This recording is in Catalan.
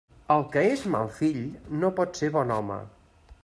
El que és mal fill no pot ser bon home.